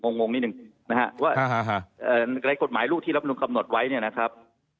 งงนิดนึงนะฮะว่าในกฎหมายลูกที่รับนุนกำหนดไว้เนี่ยนะครับ